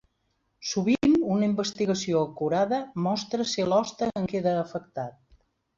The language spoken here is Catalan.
Sovint una investigació acurada mostra si l'hoste en queda afectat.